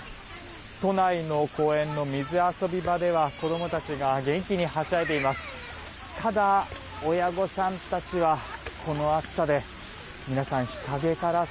都内の公園の水遊び場では子供たちが元気にはしゃいでいます。